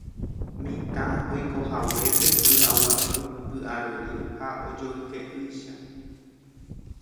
mitã oikohaguépe py'aguapy, py'arory ha ojoyke'ýicha